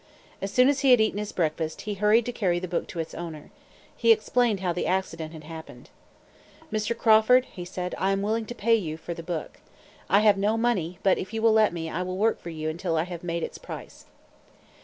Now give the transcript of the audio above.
As soon as he had eaten his breakfast, he hurried to carry the book to its owner. He explained how the accident had happened. "Mr. Crawford," he said, "I am willing to pay you for the book. I have no money; but, if you will let me, I will work for you until I have made its price."